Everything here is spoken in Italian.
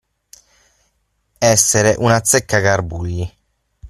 Essere un azzeccagarbugli.